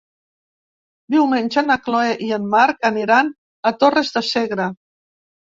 Diumenge na Chloé i en Marc aniran a Torres de Segre.